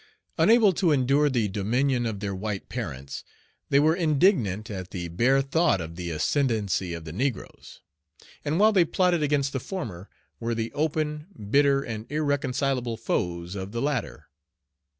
Unable to endure the dominion of their white parents, they were indignant at the bare thought of the ascendency of the negroes; and while they plotted against the former, were the open, bitter, and irreconcilable foes of the latter.